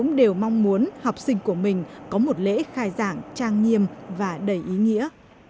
các thầy cô giáo cũng đều mong muốn học sinh của mình có một lễ khai giảng trang nghiêm và đầy ý nghĩa